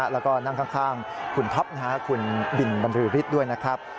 แล้วก็นั่งข้างคุณท็อปคุณบิลบริษฐ์ด้วยนะครับ